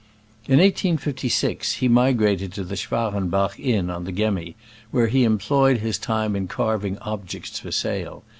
In 1856 he migrated to the Schwarenbach inn on the Gemmi, where he employed his time in carving objects for sale.